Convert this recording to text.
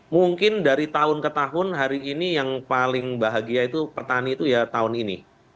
mungkin dari tahun ke tahun hari ini yang paling bahagia itu petani itu ya tahun ini